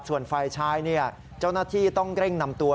ส่วนฝ่ายชายเจ้าหน้าที่ต้องเร่งนำตัว